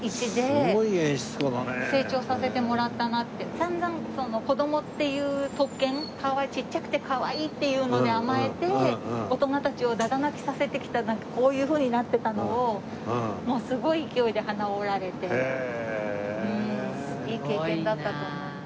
散々子供っていう特権ちっちゃくてかわいいっていうので甘えて大人たちをだだ泣きさせてきたなんかこういうふうになってたのをもうすごい勢いで鼻を折られていい経験だったと思います。